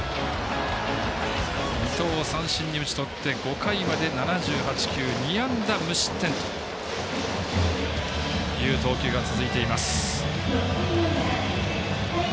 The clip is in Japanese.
伊藤を三振に打ち取って５回まで７８球、２安打無失点という投球が続いています。